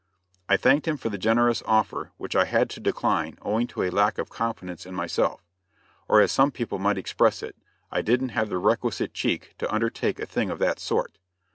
I thanked him for the generous offer, which I had to decline owing to a lack of confidence in myself; or as some people might express it, I didn't have the requisite cheek to undertake a thing of that sort.